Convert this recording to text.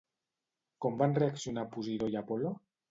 Com van reaccionar Posidó i Apol·lo?